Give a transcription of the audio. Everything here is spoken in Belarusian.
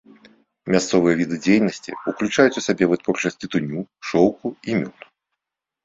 Мясцовыя віды дзейнасці ўключаюць у сабе вытворчасць тытуню, шоўку і мёду.